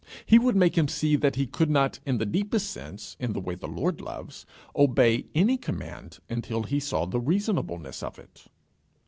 He would make him see that he could not in the deepest sense in the way the Lord loves obey any command until he saw the reasonableness of it.